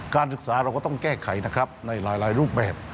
การศึกษาเราก็ต้องแก้ไขนะครับในหลายรูปแบบ